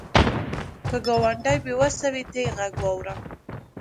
که ګاونډی بې وسه وي، ته یې غږ واوره